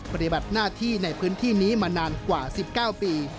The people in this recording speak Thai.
ปฏิบัติหน้าที่ในพื้นที่นี้มานานกว่า๑๙ปี